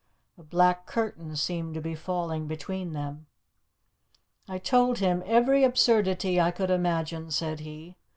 A black curtain seemed to be falling between them. "I told him every absurdity I could imagine," said he.